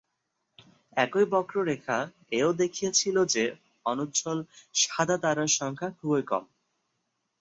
একই বক্ররেখা এও দেখিয়েছিল যে, অনুজ্জ্বল সাদা তারার সংখ্যা খুবই কম।